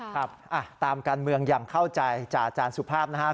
ครับตามการเมืองอย่างเข้าใจจากอาจารย์สุภาพนะครับ